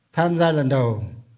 tham gia lần đầu